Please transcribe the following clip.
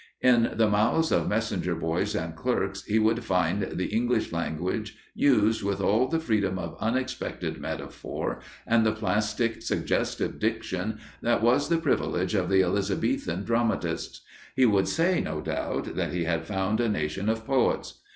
In the mouths of messenger boys and clerks he would find the English language used with all the freedom of unexpected metaphor and the plastic, suggestive diction that was the privilege of the Elizabethan dramatists; he would say, no doubt, that he had found a nation of poets.